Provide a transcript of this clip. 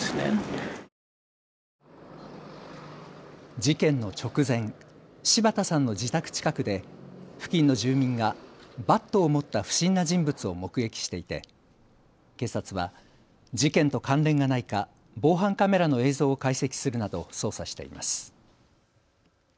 事件の直前、柴田さんの自宅近くで付近の住民がバットを持った不審な人物を目撃していて警察は事件と関連がないか防犯カメラの映像を解析するなど捜査しています。